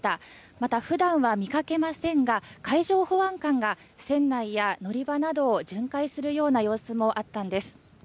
また、普段は見かけませんが海上保安官が船内や乗り場などを巡回するような様子もあったんです。